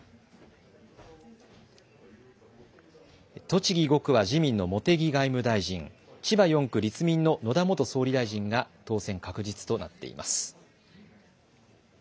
栃木５区は自民の茂木外務大臣、千葉４区、立民の野田元総理大臣が当選確実となっています。